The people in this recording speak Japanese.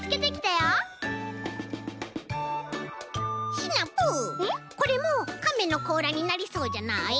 シナプーこれもカメのこうらになりそうじゃない？